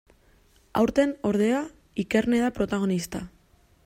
Aurten, ordea, Ikerne da protagonista.